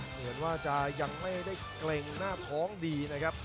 เหมือนว่าจะยังไม่ได้เกร็งหน้าท้องดีนะครับ